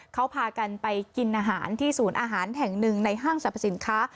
เขาพากันไปกินอาหารที่ศูนย์อาหารแห่งหนึ่งในห้างสรรพสินค้า